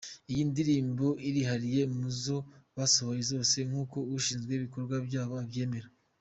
Iyi ndirimbo irihariye mu zo basohoye zose nk'uko ushinzwe ibikorwa byabo abyemeza.